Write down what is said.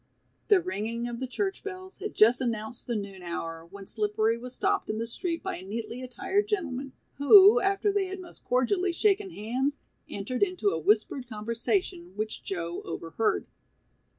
The ringing of the church bells had just announced the noon hour, when Slippery was stopped in the street by a neatly attired gentleman, who, after they had most cordially shaken hands, entered into a whispered conversation, which Joe overheard.